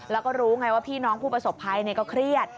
แล้วก็รู้ไงว่าพี่น้องผู้ประสบภัยก็เครียด